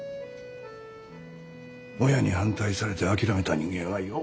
親に反対されて諦めた人間はよ